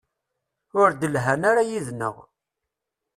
Ur d-lhan ara yid-neɣ.